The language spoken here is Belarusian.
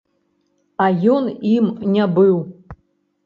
А ён ім не быў.